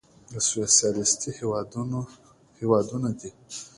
سوسيالېسټي هېوادونه دي.